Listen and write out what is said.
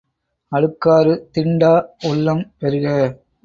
அழுக்காறு திண்டா உள்ளம் பெறுக!